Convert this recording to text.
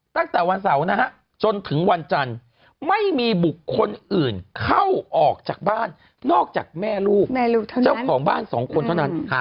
ตั้งแต่วันเสาร์นะฮะจนถึงวันจันทร์ไม่มีบุคคลอื่นเข้าออกจากบ้านนอกจากแม่ลูกเจ้าของบ้านสองคนเท่านั้น